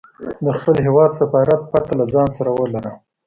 د خپل هیواد سفارت پته له ځانه سره ولره.